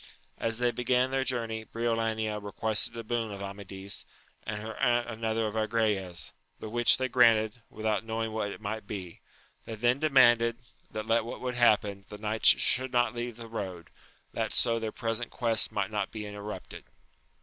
As they began their journey Briolania requested a boon of Amadis, and her aunt another of Agrayes ; the which they granted, without 'knowing what it might be : t\iey tJasa ^«v£^asA^^*^is!a&»^ 232 AMADIS OF GAUL. let what would happen, the knights should not leave the road, that so their present quest might not be in terrupted.